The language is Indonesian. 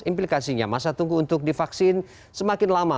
implikasinya masa tunggu untuk divaksin semakin lama